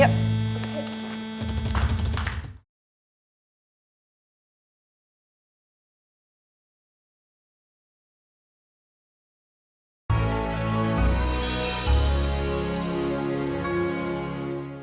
udah udah udah udah udah udah